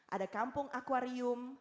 ada kampung aquarium